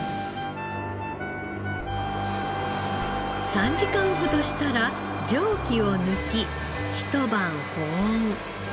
３時間ほどしたら蒸気を抜き一晩保温。